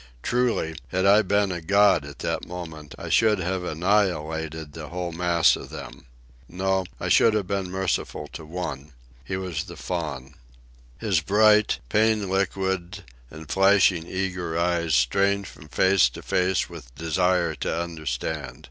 Truly, had I been a god at that moment, I should have annihilated the whole mass of them. No; I should have been merciful to one. He was the Faun. His bright, pain liquid, and flashing eager eyes strained from face to face with desire to understand.